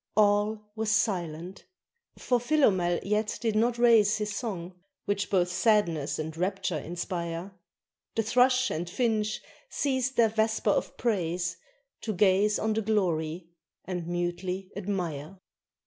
All was silent; for Philomel yet did not raise His song, which both sadness and rapture inspire: The thrush and finch ceased their vesper of praise To gaze on the glory: and mutely admire.